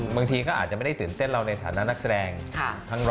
บางทีก็อาจจะไม่ได้ตื่นเต้นเราในฐานะนักแสดงทั้งนั้น